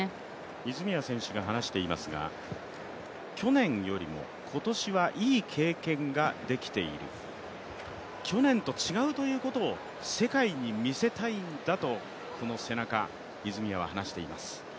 泉谷選手が話していますが、去年よりも今年はいい経験ができている、去年と違うということを世界に見せたいんだとこの背中、泉谷は話しています。